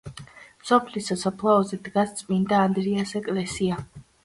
სოფლის სასაფლაოზე დგას წმინდა ანდრიას ეკლესია.